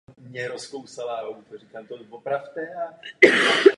Podporuji také vypracování charty pro svobodu sdělovacích prostředků.